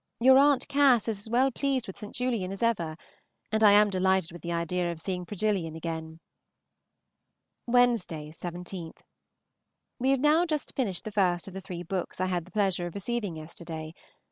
Your Aunt Cass is as well pleased with St. Julian as ever, and I am delighted with the idea of seeing Progillian again. Wednesday, 17. We have now just finished the first of the three books I had the pleasure of receiving yesterday.